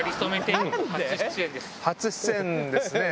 初出演ですね